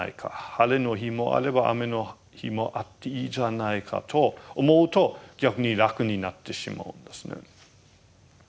晴れの日もあれば雨の日もあっていいじゃないかと思うと逆に楽になってしまうんですね。